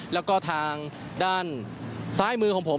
แล้วก็ทางด้านซ้ายมือของผม